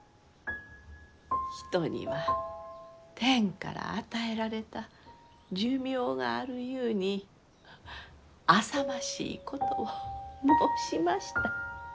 人には天から与えられた寿命があるゆうにあさましいことを申しました。